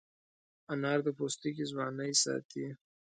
انار د پوستکي ځوانۍ ساتي.